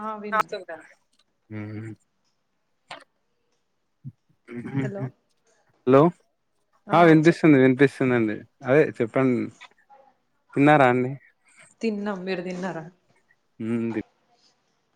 [unintelligible] లో ఆ వినిపిస్సుంది వినిపిస్సుందండి అదే చెప్ పండ్ తిన్నారా అండి తిన్నార ఊమ్ బిప్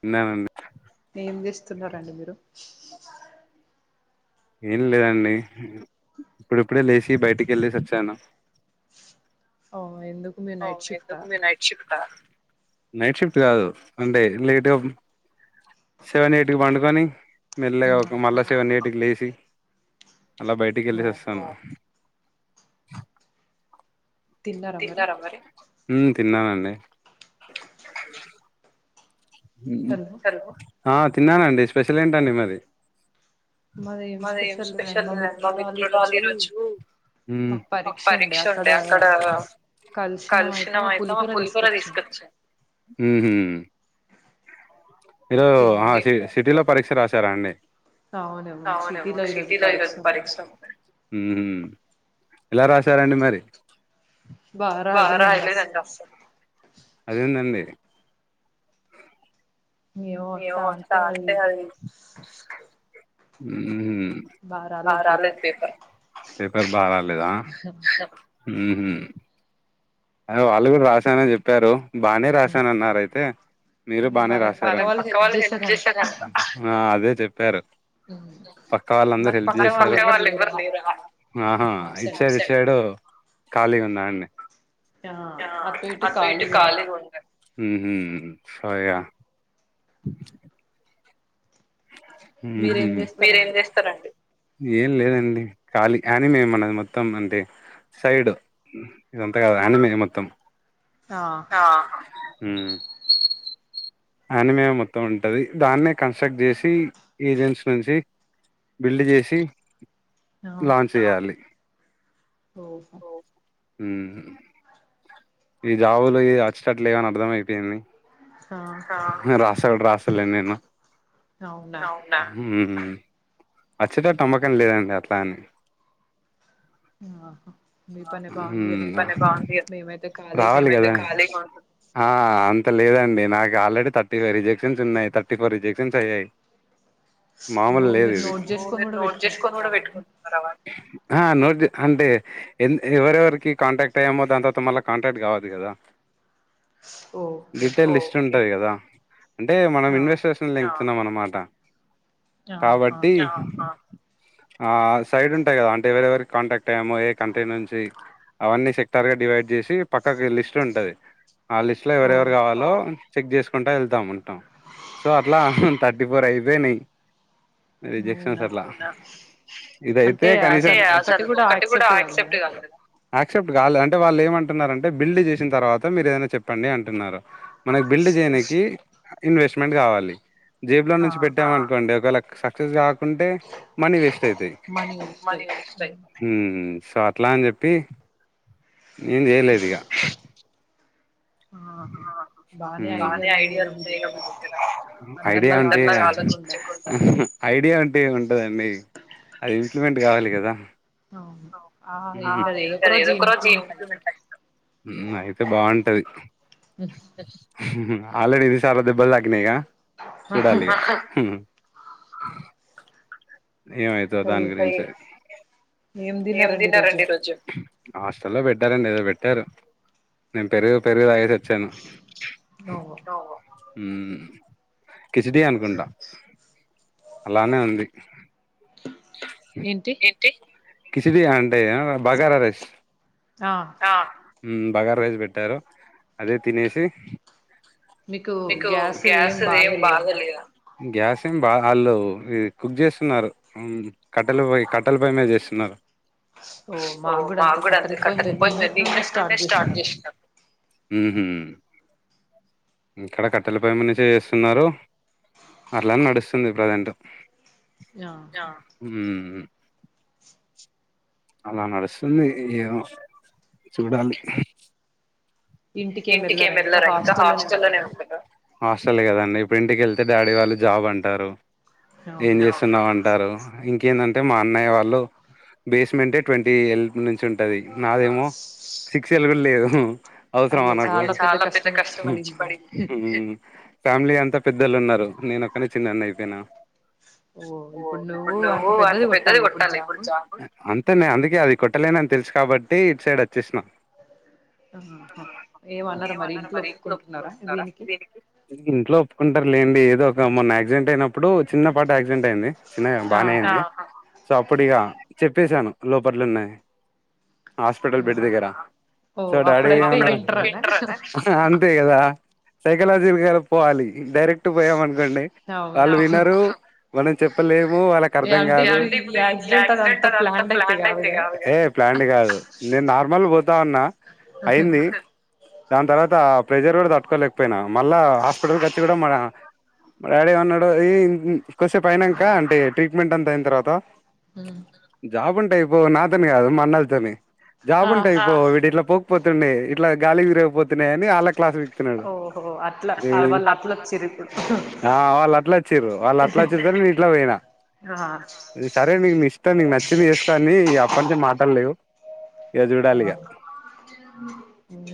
తిన్నానండి ఏం చేస్తున్నారండి మిరు ఏం లేదండి ఇప్పుడిప్పుడే లేషి బయ్టికెళ్లే సొచ్చాను ఓ ఓ ఎందుకుండె నైట్ షిప్ అ నైట్ షిఫ్ట్ కాదు అంటే లేట్ గ సెవెన్ ఎయిట్ కి పండుకొని మెల్లగా ఒక మళ్లా సెవెన్ ఎయిటుకి లేచి అలా బయటికెల్లేసొస్సాను తిన్నారా మరి ఊ తిన్నానండి ఆ తిన్నానండి స్పెషల్ ఏంటండి మరి మాదేం స్పెషల్ మా మిత్రురాలీరోజూ ఊ ఒ పరీక్ష ఉండే అక్కడా కల్షిన మల్టీ పులిహోర తీస్కచ్చి ఊహూ మిరో సిటి లో పరీక్ష రాశారా అండి అవ్ నేమో సిటీ లొ ఈరోజు పరీక్షుంది ఊహు ఎలా రాశారండి మరి బా రాయ్లేదండి అస్సలు అదేందండి ఏమో వస్తాఅది ఊ బారాలేద్ పేపర్ పేపర్ బారాలేదా సెప్ ఉహూ అయిన వాళ్ళు కూడ రాసానని చెప్పారు బానే రాశానన్నారయితే మీరు బానే రాశార పక్కవాళ్లు డెసిషనే అంత అదే చెప్పారు ఊ పక్క వాళ్ళందరు హెల్ప్ చేసిన పక్క వాళ్ళు ఎవ్వరూ లేరు ఆహా ఇట్ సైడూ ఖాళీగ ఉన్నా అండి [unintelligible] [inaudible] మీరేం చేస్తరండి ఏం లేదండి ఖాళీ అనిమే మనది మొత్తం అంటె సైడు ఇదంత కాదు అనిమే మొత్తం ఆహా ఊ అనిమే మొత్తం ఉంటది దాన్నే కన్స్ట్రక్ట్ చేసీ ఏజెన్స్ నుంచి బిల్డ్ చేసి లాంచ్ చేయాలి ఓహో ఊహు ఇ జాబులు ఈ అచ్చట్లే అని అర్థం అయిపొయింది ర సల్ రాస్తలే నేను అచ్చటటు నమ్మకం లేదండి అట్లా అని [inaudible] ఊ భలె బాంది కద రావాలి కాలిగా ఆ అంత లేదండి నాకు ఆల్రెడీ థర్టీ ఫైవ్ రిజెక్షన్స్ ఉన్నాయి థర్టీ ఫోర్ రిజెక్షన్స్ అయ్యాయ్ మామూల్ లేదు ఇది మీర్ నోట్ చేస్కోని కూడ పెట్టుకుంటారా అవ్వన్నీ టే ఎంద్ ఎవరెవరికి కాంటాక్ట్ అయ్యామో దాని తర్వాత మళ్ళ కాంటాక్ట్ కావాలి కదా డీటెయిల్ లిస్ట్ ఉంటది కదా అంటే మనం ఇన్వెస్ట్చేసినింపుతున్నానన్మాట మాట ఆహా ఈ ఆ సైడ్ ఉంటయ్ కద అంటే ఎవరెవరికి కాంటాక్ట్ అయ్యామో ఏ కంట్రీ నుంచి అవన్నీ సెక్టార్ డివైడ్ చేసీ పక్కకి లిస్ట్ ఉంటది ఆ లిస్ట్ లొ ఎవరెవరు కావాలో చెక్ చేస్కుంటా వెళ్తాం అంటాం సో అట్లా ఉంటది థర్టీ ఫోర్ అయిపోయినాయి రిజెక్షన్ అట్లా ఇదయితే కనీసం యాక్సెప్ట్ కాలె అంటె వాళ్ళు ఏమంటున్నారంటె బిల్డ్ చేసిన్ తర్వాత మీరు ఏదైనా చెప్పండి అంటున్నారు మనకి బిల్డ్ చేయనీకి ఇన్వెస్ట్మెంట్ కావాలి జేబులో నుంచి పెట్టామనుకోండి ఒకవేళ సక్సెస్ కాకుంటే మనీ వేస్ట్ అయితయి మనీ వేస్ట్ అయితుంది ఊ సొ అట్లా అని చెప్పీ ఏం చేయలేదు ఇగ ఆహా బానే ఐడియా ఉనాయి పెద్దగా ఆలోచించకుండా ఐడియా అంటే ఏం ఉంటదండి అది ఇంప్లిమెంట్ కావాలి కద ఆ ఇంక అదెదో ఒక్క రోజ్ ఇంప్లిమెంట్ అయితది ఊ అయితె బాంటది హు ఊ ఆల్రెడి ఇది సార్లు దెబ్బల్ తాకిినయ్ కద చూడాలి ఆహా ఏమయితదొ దాని గురించి హాస్టల్లో పెట్టారండి ఏదో పెట్టారు నేన్ పెరుగు పెరుగు తాగేసి వచ్ చ్చన్ ఒహో ఊహు కిచిడీ అనుకుంట అలానే ఉంది కిచిడి అంటే ఏం బగారరైస్ ఆ బగార రైస్ పెట్టారు అదే తినేసి నీకూ గ్యాసుదేం బాగొలేద గ్యాస్ ఏం బానాల్లో ఈ కుక్ చేస్సున్నారు ఊ కట్టెల పొయ్ కట్టల పొయ్ మీద చేస్తున్నారు స మాకు కూడా అంతే కట్టల పోయి మే పోయి మీద నిన్నటి నుండే స్టార్ట్ చేసినరూ ఇక్కడ కట్టెల పయ్ నుంచి చేస్తున్నారు అట్లనే నడుస్తుంది ప్రజెంట్ య ఊ అలా నడుస్తుంది ఏమో చూడాలి ఇంటికి ఏం మెలరా ఇంకా హాస్టల్ లోనే ఉంటర హాస్టల్ కదండి ఇప్పుడి ఇంటికిళ్తే డాడీ వాళ్ళు జాబ్ అంటారు ఏం చేస్తున్నావ్ అంటారు ఇంకా ఏందంటే మా అన్నయ్య వాళ్ళు బేస్మెంట్ ఏ ట్వంటీ ఎ ను ఉంటది నాదేమో సిక్స్ ఎ ల్ కూడా లేదు త్రమ నాకు మీకు ఇగ చాలా పెద్ద కష్టం వచ్చి పడింది ఊ ఫ్యామిలీ అంత పెద్దలు ఉన్నారు నేనొక్కనే చిన్నన్న అయిపోయినా ఓ ఇప్పుడు నువ్వు అంత పెద్దది కొట్టాల ఇప్పుడు జాబు అంతే నే అందుకే అది కొట్టలేనని తెలుసు కాబట్టి ఇటు సైడ్ వచ్చేసిన ఆహా ఏమనరు మరి ఇంట్లో ఒప్పుకుంటున్నారా దీనికి ఇంట్లో ఒప్ సరే లేండి ఏదో ఒక మొన్న ఆక్సిడెంట్ అయినం ఇప్పుడు చిన్న పాట యాక్సిడెంట్ అయింది చిన్న కాదు బాగానే అయింది సో అప్పుడు ఇక చెప్పసాను లోపట్లు ఉన్నాయి హాస్పిటల్ బెడ్ దగ్గర సో డాడీ ఏమన్నా అంతే కదా సైకలాజికల్ గా పోవాలి డైరెక్ట్ పోయామనుకోండి వాళ్ళు వినరు మనం చెప్పలేము వాళ్ళకి అర్థం కాదు అంటే ఇప్పుడు ఇది ఈ ఆక్సిడెంట్ అంత ప్లానడ్ అయితే కాదు కదా ప్లాండ్ కాదు నేను నార్మల్ వర్ తా ఉన్నా అయింది దాని తర్వాత ప్రెషర్ కూడా తట్టుకోలేకపోయినా మళ్ళా హాస్పిటల్ కచి కూడా మన మా డాడీ ఏమన్నాడు ఈ కొసేపు అయినాక అంటే ట్రీట్మెంట్ అంత అయిన తర్వాత ఊ జాబ్ ఉంటే అయిపోవు నాతోని కాదు మాన్నలతోని జాబ్ ఉంటే అయిపో వీడ్ ఇట్లా పోకపోతుండే గాలి విరగపోతున్నాయని అలాక్ క్లాస్ వీకుతున్నడు ఏ వాళ్ళు అట్లచ్చిరు వాల్ అట్ల ఇట్లా చికెన్ మీ ఇంట్ల పోయినా సరే నీ ఇష్టా నీకు నచ్చింది చేస్తాన్ని అప్ప నుంచే మాటలులేవు ఆ ఊ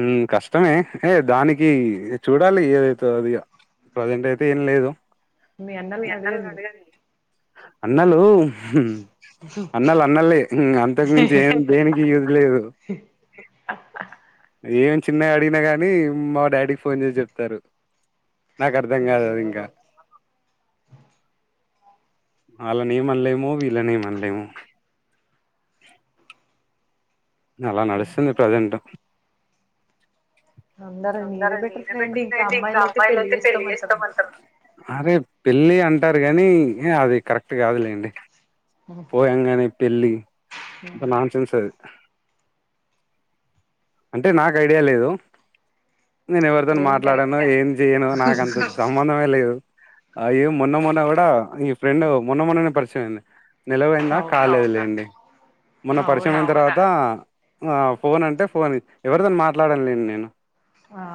ఊ కష్ కష్టమే ఏ దానికి చూడాలి ఏదైతే అది ప్రజెంట్ అయితే ఏం లేదు మీ అన్నల్ అడగండి అన్నలు అన్నలు అన్నలే ఇం ఇంతకు మించ ఏం దేనికి యూజ్ లేదు ఏం చిన్నగా అడిగినా గానీ మా డాడీ కి ఫోన్ చేసి చెప్తారు నాకర్థం కాదు కదింగా వాళ్ళనే ఏమనలేము వీళ్ళనేమనలేము అలా నడుస్తుంది ప్రజెంట్ అందర మీరే బెటర్ లెండి ఇంకా అమ్మాయిలు అయితే పెళ్లి చేస్తామంటారు అరే పెళ్ళి అంటారు గానీ ఇగ అది కరెక్ట్ కాదులేండి పోయంగానే పెళ్ళి ఇంకా నాన్ చించదు అంటే నాకు ఐడియా లేదు నేను ఎవరితో మాట్లాడాను ఏం చెయను నాకు అంత సంబంధమే లేదు అయ్యో మొన్న మొన్న కూడా ఈ ఫ్రెండ్ మొన్న మొన్ననే పరిచయం అయింది నిలవైందా కాలేదులేండి మొన్న పరిచెయమైన తర్వాత ఆ ఫోన్ అంటే ఫోన్ ఎవరితోని మాట్లాడనులేండి నేను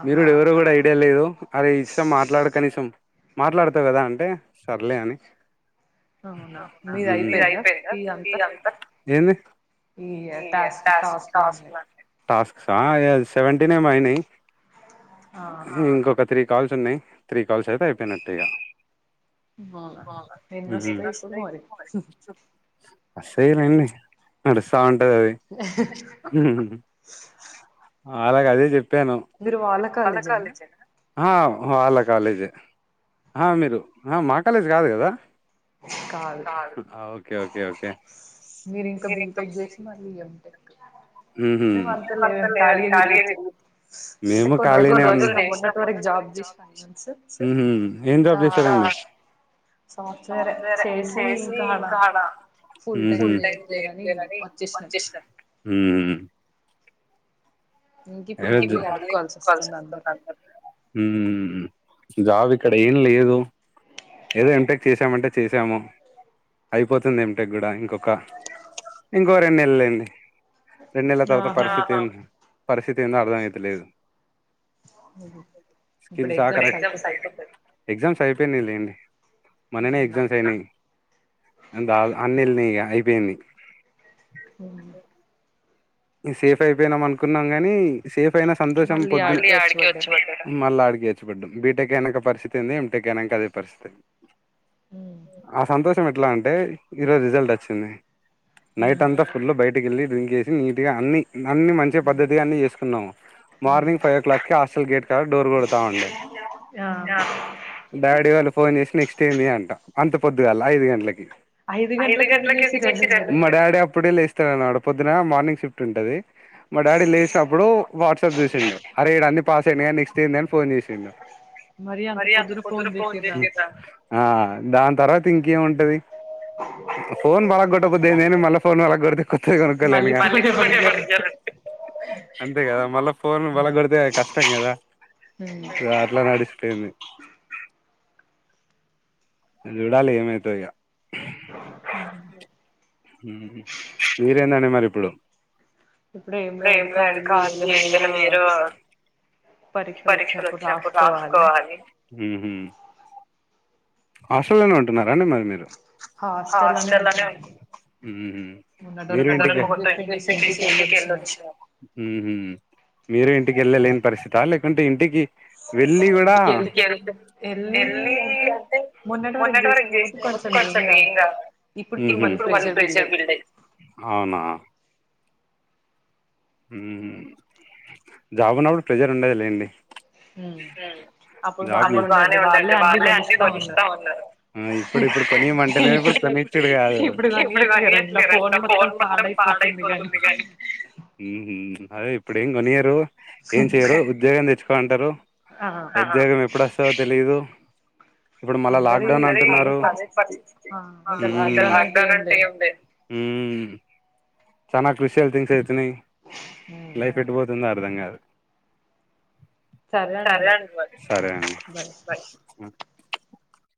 మీరు ఎవరు కూడా ఐడియా లేదు అరే ఇష్టాం మాట్లాడు కనీసం మాట్లాడతావ్ కదా అంటే సర్లే అని అవునా మీది అయిపోయింద ఇది అంతా ఏంది ఈ టాస్క్ టాస్క్ లని టాస్క్స్ ఆ సెవెంటీనేమో అయినాయి ఇంకొక త్రీ కాల్స్ ఉన్నాయి త్రీ కాల్స్ అయితే అయిపోయినట్టే ఇక ఉమ్ అసైన్ అయింది నడుస్తా ఉంటది అది ఆళ్ళకి అదే చెప్పాను ఆ వాళ్ళ కాలేజె ఆ మీరు ఆ మా కాలేజ్ కాదు కదా ఆ ఓకే ఓకే ఓకే ఏమి అంత లేదు ఖాళీగానే కూర్చున్నా అంటే కొన్ని రోజులు చేసిన మొన్నటి వరకు జాబ్ చేసిన మంత్స్ ఉహు ఏం జాబ్ చేసారండి సాఫ్టువేరే చేసి ఇంకా ఆడ ఫుల్ టైమ్ చేయట్లేదని వచ్చేసిన [unintelligible] ఊమ్ జాబ్ ఇక్కడ ఏం లేదు ఏదో ఎంటెక్ చేసామంటే చేసాము అయిపోతుంది ఎంటెక్ కూడా ఇంకొక ఇంకో రెండు నెలలే రెండు నెల్ల తర్వాత పరిస్థితి పరిస్థితి ఏందో అర్థమయితలేదు స్కిల్ చ కరెక్ట్ ఎగ్జామ్స్ అయిపోయినాయి లేండి మొన్ననే ఎగ్జామ్స్ అయినాయి [unintelligible] అన్నిీ వెళ్ళినయి అయిపోయింది అ సేఫ్ అయిపోయినాం అనుకున్నాం కాగాని సేఫ్ సేఫ్ అయిన సంతోషం పొద్ మళ్ళీ ఆడికే [unintelligible] బీటెక్ అయినాక పరిస్థితి ఏంది ఎటెక్ అయినక అదే పరిస్థితి ఆ సంతోష ఎట్లా అంటే ఈ రోజు రిజల్ట్ వచ్చింది నైట్ అంతా ఫుల్ బయట వెళ్ళి డ్రింక్ ఇగ అన్నీ అన్నీ మంచి పద్ధతిగా అన్ని చేసుకున్నాము మార్నింగ్ ఫైవ్ ఓ క్లాక్ కి హాస్టల్ గేట్ కా డోర్ కొడతా ఉంటాం డాడీ వాళ్ళు ఫోన్ చేసి నెక్స్ట్ ఏంది అంటా అంత పొద్దుగాల ఐదు గంటలకి ఐదు గంటలకు మా డాడీ అప్పుడే లేస్తడనమాట ఆడ పొద్దున మార్నింగ్ షిఫ్ట్ ఉంటది మా డాడీ లేచినప్పుడు వాట్సాప్ చూసిండు అరే ఇడు అన్ని పాస్ అయినా కానీ నెక్స్ట్ ఏందిని ఫోన్ చేసిండు మరీ అంత పొద్దున ఫోన్ చేసిండ దాని తర్వాత ఇంకేం ఉంటది ఫోన్ పగల గొట్ట బుద్ది అయింది కానీ మళ్ళ ఫోన్ పగల కొడితే మళ్ళీ కొత్తది కొనుకోలేను కదా అంతే కదా మళ్ళా ఫోన్ పగల కొడితే కష్టం కదా దారిల నడిచిపోయింది చూడాలి ఏమవుతది ఇగ ఇ [unintelligible] మరి ఇప్పుడు ఇప్పుడు కాల్ చేస్తున మీరు పరీక్షలు వచ్చినప్పుడు రాసుకోవాలి ఉహూ హాస్టల్ లోనే ఉంటున్నారా అండి మరి మీరు హాస్టల్ లోనే ఉంటున్న మీరూ ఊహు మీరే ఇంటికి వెళ్ళలేని పరిస్థిత లేకుంటే ఇంటికి వెళ్లి కూడా మొన్నటి వరకు చేసిన మెయిన్ గా ఇప్పుడు ఇప్పుడు మళ్ళీ ప్రెషర్ బిల్డ్ అయింది అవునా జాబ్ ఉన్నప్పుడు ప్రెజర్ ఉండది లేండి హ జాబ్ ఇప్పుడు ఇప్పుడు కొనిమని అంటేనే ఇప్పు కొనీచుడు కాదు ఇప్పుడు పని చేట్లే రన్న ఫోన్ మొత్తం పాత అయిపోతుంది కాని అదే ఇప్పుడు ఏం కొనియరు ఏం చెయరు ఉద్యోగం తెచ్చుకో అంటారు ఉద్యగం ఎప్పుడు వస్తావో తెలీదు ఇప్పుడు మళ్ళా లాక్డౌన్ అంటున్నారు అ ఉమ్ చాల క్రిషియల్ థింగ్స్ అయితున్నాయి లైఫ్ పెట్టు పోతుందో అర్థం కాదు సరే అండి సరే అండి బై